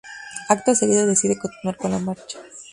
Acto seguido decide continuar con la marcha.